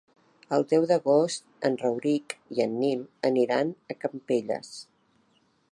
El deu d'agost en Rauric i en Nil aniran a Campelles.